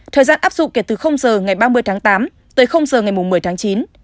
thời gian áp dụng kể từ h ngày ba mươi tháng tám tới h ngày một mươi tháng chín